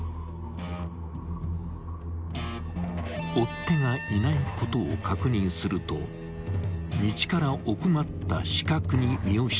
［追っ手がいないことを確認すると道から奥まった死角に身を潜め自転車から降りた］